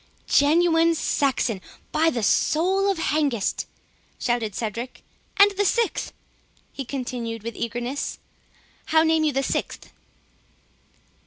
"Genuine Saxon, by the soul of Hengist!" shouted Cedric—"And the sixth?" he continued with eagerness—"how name you the sixth?"